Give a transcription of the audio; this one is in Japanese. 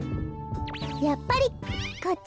やっぱりこっちかな？